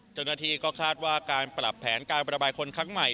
เจ้าหน้าที่ก็คาดว่าการปรับแผนการประบายคนครั้งใหม่